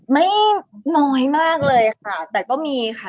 ไม่น้อยมากเลยค่ะแต่ก็มีค่ะ